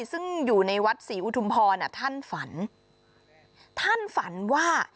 ซึ่งอยู่ในวัดศรีอุทุมพรท่านฝันท่านฝันว่า